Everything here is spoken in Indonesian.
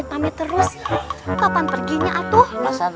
kau adalah lawan